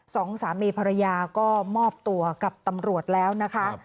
สองสามีภรรยาก็มอบตัวกับตำรวจแล้วนะคะ